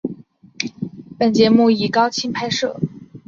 本节目以高清拍摄。